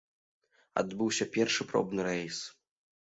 Адбыўся першы пробны рэйс.